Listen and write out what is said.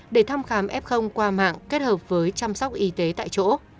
để thăm khám f qua mạng kết hợp với chăm sóc y tế tại chỗ